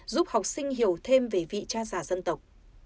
giúp học sinh hiểu thêm về vị cha già dân tộc